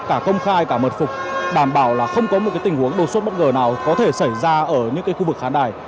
cả công khai cả mật phục đảm bảo là không có một tình huống đột xuất bất ngờ nào có thể xảy ra ở những khu vực khán đài